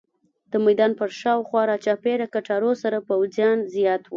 د میدان پر شاوخوا راچاپېره کټارو سره پوځیان زیات وو.